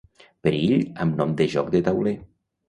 Perill amb nom de joc de tauler.